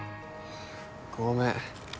ごめん